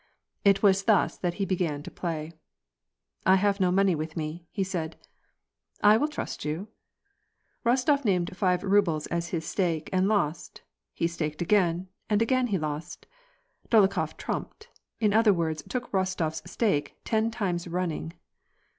It was thus that he began to play. " I have no money with me," he said. « I will trust vou." Bostof named five rubles as his stake and lost ; he staked again, and again he lost. Dolohkof trumped, in other words took Bostof s stake ten times running.